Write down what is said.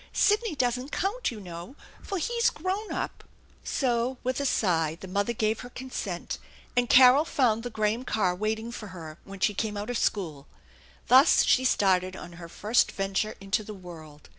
Sidney doesn't count, you know, for he's grown up." So, with a sigh, the mother gave her consent, and Carol 172 THE ENCHANTED BARN found the Graham car waiting for her when she came out of school. Thus she started on her first venture into the world.